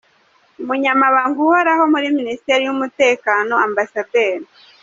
Umunyamabanga Uhoraho muri Minisiteri y’umutekano, Amb.